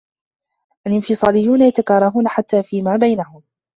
الإنفصاليون يتكارهون حتى فيما بينهم.